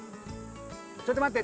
ちょっと待って。